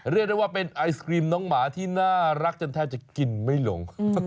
เรียกได้ว่าเป็นไอศครีมน้องหมาที่น่ารักจนแทบจะกินไม่หลง